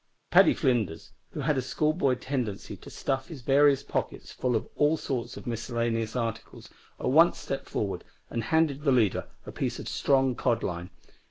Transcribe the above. Paddy Flinders, who had a schoolboy tendency to stuff his various pockets full of all sorts of miscellaneous articles, at once stepped forward and handed the leader a piece of strong cod line.